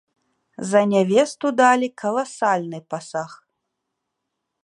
За нявесту далі каласальны пасаг.